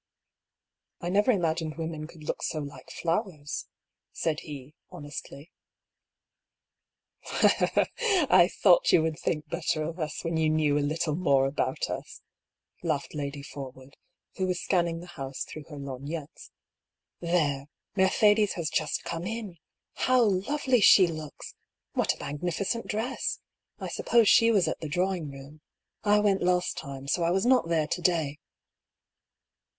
^' I never imagined women could look so like flow ers," said he, honestly. " I thought you would think better of us when you knew a little more about us !" laughed Lady Forwood, who was scanning the house through her lorgnettes, " There 1 Mercedes has just come in! How lovely she looks I What a magnificent dress I I suppose she was at the drawing room. I went last time, so I was not there to day."